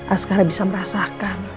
askara bisa merasakan